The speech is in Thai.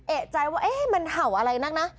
เอกใจว่ามันเห่าอะไรนักนะ